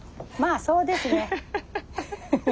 まあそうですね。